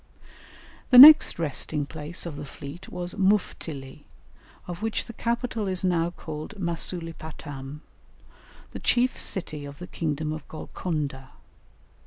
The next resting place of the fleet was Muftili, of which the capital is now called Masulipatam, the chief city of the kingdom of Golconda.